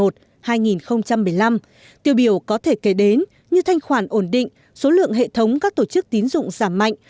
từ năm hai nghìn một mươi năm tiêu biểu có thể kể đến như thanh khoản ổn định số lượng hệ thống các tổ chức tín dụng giảm mạnh